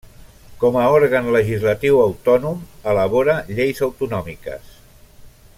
Com a òrgan legislatiu autònom, elabora lleis autonòmiques.